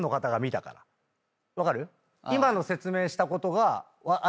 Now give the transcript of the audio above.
分かる？